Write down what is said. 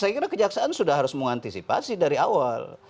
saya kira kejaksaan sudah harus mengantisipasi dari awal